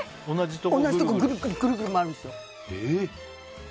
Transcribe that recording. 同じところぐるぐるぐるぐる回るんですよ。